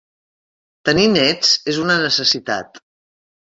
Tenir nets és una necessitat.